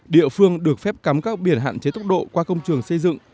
địa phương được phép cắm các biển hạn chế tốc độ qua công trường xây dựng